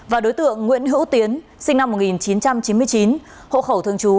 và đối tượng nguyễn hữu tiến sinh năm một nghìn chín trăm chín mươi chín hộ khẩu thường trú